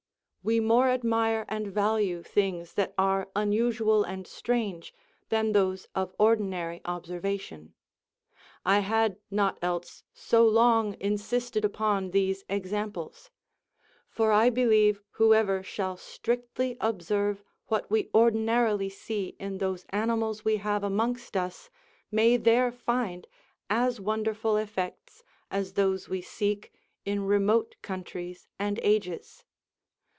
We more admire and value things that are unusual and strange than those of ordinary observation. I had not else so long insisted upon these examples: for I believe whoever shall strictly observe what we ordinarily see in those animals we have amongst us may there find as wonderful effects as those we seek in remote countries and ages.